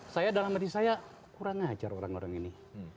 saya dalam hati saya kurang ajar orang orang ini